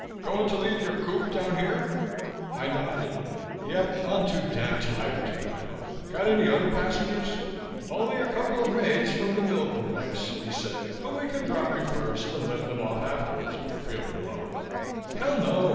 "Goin' to leave your coop down here?" I nodded. "Yep. I'm too damned tired to drive home. Got any other passengers?" "Only a couple of maids from the Milgrim place," he said, "but we can drop you first and let them off afterwards if you're feelin' low." "Hell, no!"